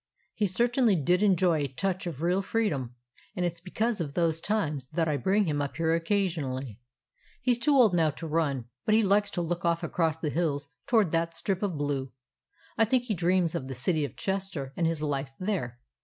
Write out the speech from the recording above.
He certainly did enjoy a touch of real freedom, and it 's because of those times that I bring him up here occasionally. He 's too old now to run, but he likes to look off across the hills toward that strip of blue. I think he dreams of the City of Chester and his life there.